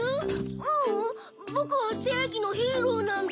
ううんぼくはせいぎのヒーローなんだ。